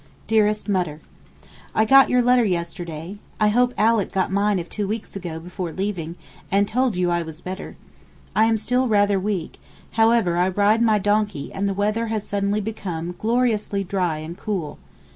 DEAREST MUTTER, I got your letter yesterday. I hope Alick got mine of two weeks ago before leaving, and told you I was better. I am still rather weak, however I ride my donkey and the weather has suddenly become gloriously dry and cool.